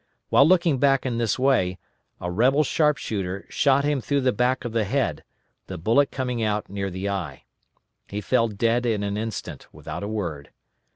While looking back in this way, a rebel sharpshooter shot him through the back of the head, the bullet coming out near the eye. He fell dead in an instant, without a word.